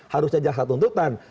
harusnya jaksa tuntutan